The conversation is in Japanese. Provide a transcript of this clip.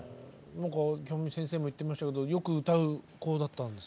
京美先生も言ってましたけどよく歌う子だったんですか？